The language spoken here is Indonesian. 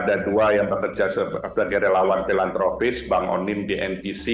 ada dua yang bekerja sebagai relawan filantropis bang onim di ntc